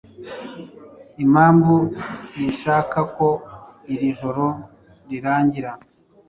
Impamvu sinshaka ko iri joro rirangira